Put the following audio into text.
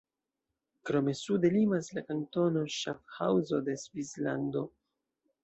Krome sude limas la kantono Ŝafhaŭzo de Svislando.